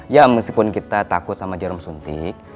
ya meskipun kita takut sama jarum suntik